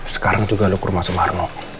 sekarang juga lu ke rumah sumarno